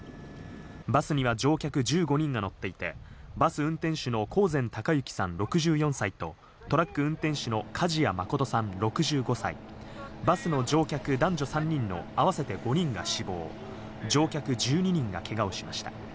バスには乗客１５人が乗っていて、バス運転手の興膳孝幸さん６４歳とトラック運転手の梶谷誠さん６５歳、バスの乗客男女３人の合わせて５人が死亡、乗客１２人がけがをしました。